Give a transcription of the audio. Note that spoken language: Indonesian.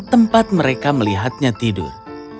tempat mereka melihatnya tidur